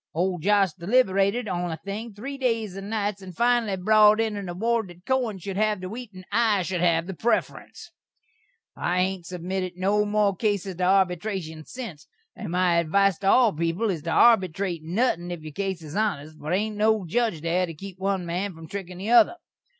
Old Josh deliberated on the thing three days and nites, and finally brot in an award that Kohen should hav the wheat an' I should hav the prefferense. I hain't submitted no more cases to arbytration sinse, and my advise to all peepul is to arbytrate nuthin' if your case is honest, for there ain't no judge there to keep one man from trikkin' the other.